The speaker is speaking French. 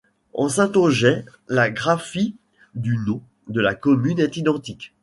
En saintongeais, la graphie du nom de la commune est identique.